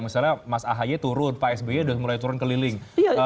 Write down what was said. misalnya mas ahaye turun pak sby udah mulai turun keliling